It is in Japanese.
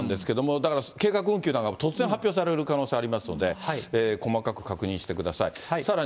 だから計画運休なんかも突然発表される可能性もありますので、細かく確認してください。